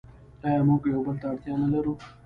آیا موږ یو بل ته اړتیا نلرو؟